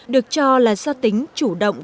được cho là gia tính chủ động